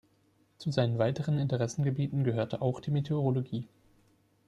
Zu seinen weiteren Interessengebieten gehörte auch die Meteorologie.